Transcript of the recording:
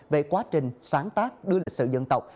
về quá trình sáng tác đưa lịch sử dân tộc